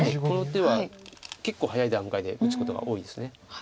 この手は結構早い段階で打つことが多いです。